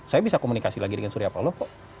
saya bisa komunikasi lagi dengan surya pak loh kok